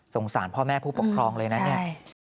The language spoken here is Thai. สารพ่อแม่ผู้ปกครองเลยนะเนี่ย